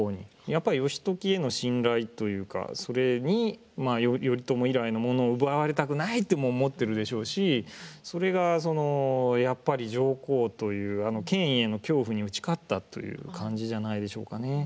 やっぱり義時への信頼というかそれにまあ頼朝以来のものを奪われたくないとも思ってるでしょうしそれがそのやっぱり上皇という権威への恐怖に打ち勝ったという感じじゃないでしょうかね。